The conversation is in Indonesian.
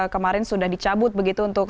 kemarin sudah dicabut begitu untuk